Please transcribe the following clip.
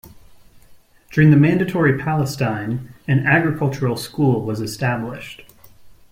During the Mandatory Palestine, an agricultural school was established.